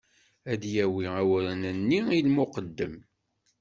Ad d-yawi awren-nni i lmuqeddem.